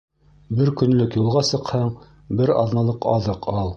Бер көнлөк юлға сыҡһаң, бер аҙналыҡ аҙыҡ ал.